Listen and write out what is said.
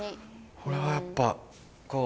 俺はやっぱこう。